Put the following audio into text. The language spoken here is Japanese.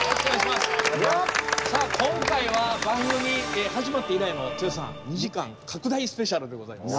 今回は番組始まって以来の剛さん「２時間拡大スペシャル」でございます。